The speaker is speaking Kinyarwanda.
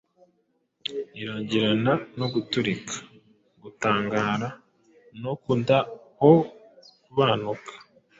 irangirana no guturika, gutangara no kudaobanuka.